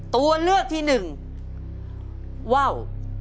ตัวเลือกที่๑ว่าว